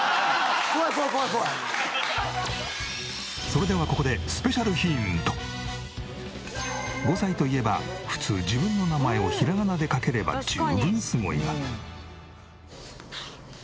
それではここで５歳といえば普通自分の名前をひらがなで書ければ十分すごいが。